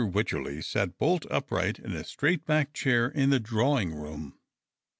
AVycherley sat bolt upright in a straight backed chair in the drawing room.